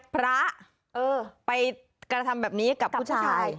พระเออไปกระทำแบบนี้กับผู้ชาย